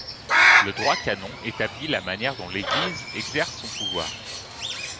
Le droit canon établit la manière dont l'Église exerce son pouvoir.